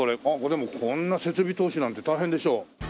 でもこんな設備投資なんて大変でしょう？